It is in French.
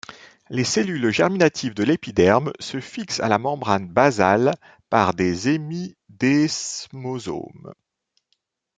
Les cellules germinatives de l'épiderme se fixent à la membrane basale par des hémidesmosomes.